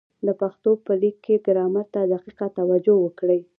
د پښتو په لیکلو کي ګرامر ته دقیقه توجه وکړئ!